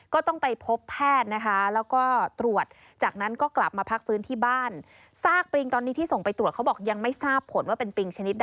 ก็ต้องไปพบแพทย์แล้วก็ตรวจ